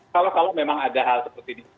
kalau kalau memang ada hal seperti ini